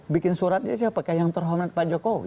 bikin suratnya siapakah yang terhormat pak jokowi